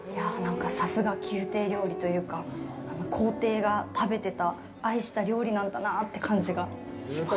さすが宮廷料理というか皇帝が食べてた愛した料理なんだなって感じがします。